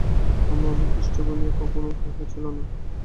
আমার মনে হয়, খ্রীষ্ট বলিয়া কখনও কেহ ছিল না।